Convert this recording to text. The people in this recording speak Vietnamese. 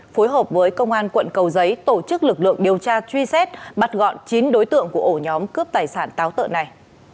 phối hợp với công an quận cầu giấy tổ chức lực lượng điều tra truy xét bắt gọn chín đối tượng của ổ nhóm cướp tài sản táo tợn này